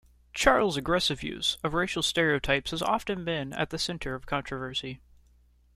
Charles' aggressive use of racial stereotypes has often been at the center of controversy.